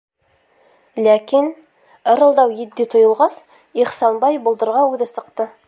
Ләкин... ырылдау етди тойолғас, Ихсанбай болдорға үҙе сыҡты.